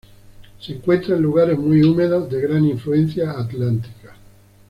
Se encuentra en lugares muy húmedos de gran influencia atlántica.